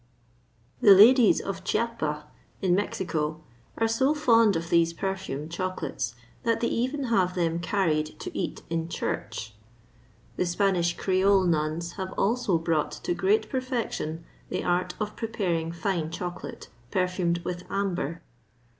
The ladies of Chiapa, in Mexico, are so fond of these perfumed chocolates that they even have them carried to eat in church. The Spanish Creole nuns have also brought to great perfection the art of preparing fine chocolate, perfumed with amber.